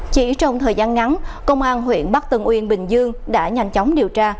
chỉ trong thời gian ngắn công an huyện bắc tân uyên bình dương đã nhanh chóng điều tra